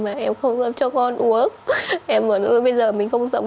mà em không dám cho con uống em bảo ơ bây giờ mình không sống